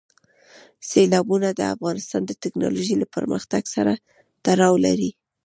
سیلابونه د افغانستان د تکنالوژۍ له پرمختګ سره تړاو لري.